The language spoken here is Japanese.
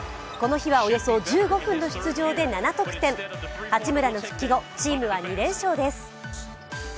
この日はおよそ１５分の出場で７得点八村の復帰後、チームは２連勝です。